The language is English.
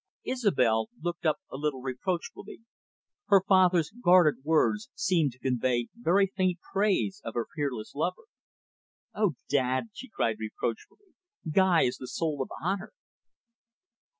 Isobel looked up a little reproachfully. Her father's guarded words seemed to convey very faint praise of her peerless lover. "Oh, dad," she cried reproachfully. "Guy is the soul of honour."